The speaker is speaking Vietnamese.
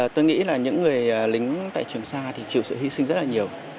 tôi nghĩ là những người lính tại trường sa thì chịu sự hy sinh rất là nhiều